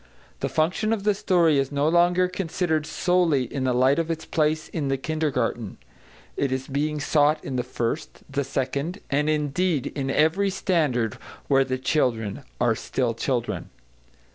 The function of the story is no longer considered solely in the light of its place in the kindergarten; it is being sought in the first, the second, and indeed in every standard where the children are still children.